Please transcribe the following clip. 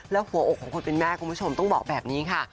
แล้วหัวอกของคนเป็นแม่คุณผู้ชมต้องบอกแบบนี้ค่ะ